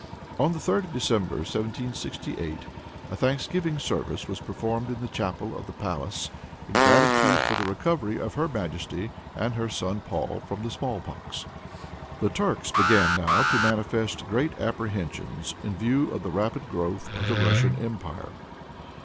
On the 3d of December, 1768, a thanksgiving service was performed in the chapel of the palace, in gratitude for the recovery of her majesty and her son Paul from the small pox. The Turks began now to manifest great apprehensions in view of the rapid growth of the Russian empire.